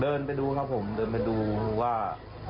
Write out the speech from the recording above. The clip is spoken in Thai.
เดินไปดูครับผมเดินไปดูว่า